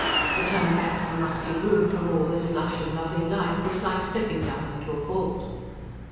To turn back to the musty room from all this lush and lovely life was like stepping down into a vault.